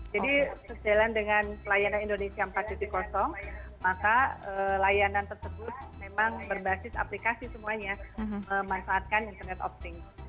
jadi selain dengan layanan indonesia empat maka layanan tersebut memang berbasis aplikasi semuanya memanfaatkan internet opting